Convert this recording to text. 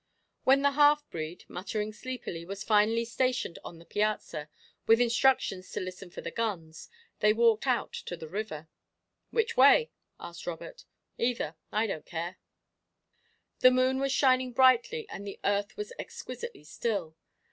When the half breed, muttering sleepily, was finally stationed on the piazza, with instructions to listen for the guns, they walked out to the river. "Which way?" asked Robert. "Either I don't care." The moon was shining brightly and the earth was exquisitely still.